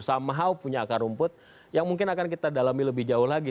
somehow punya akar rumput yang mungkin akan kita dalami lebih jauh lagi